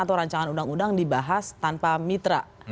atau rancangan undang undang dibahas tanpa mitra